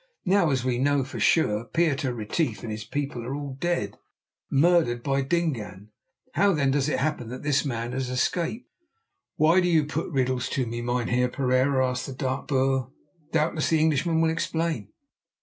Now, as we know for sure Pieter Retief and all his people are dead, murdered by Dingaan, how then does it happen that this man has escaped?" "Why do you put riddles to me, Mynheer Pereira?" asked the dark Boer. "Doubtless the Englishman will explain."